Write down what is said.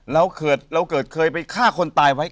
เราเกิดเคยไปฆ่าคนตายไว้